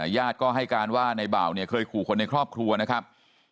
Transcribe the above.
ญาติก็ให้การว่าในบ่าวเนี่ยเคยขู่คนในครอบครัวนะครับ